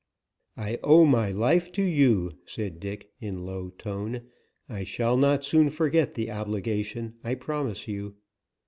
"I owe my life to you," said Dick, in low tone. "I shall not soon forget the obligation, I promise you."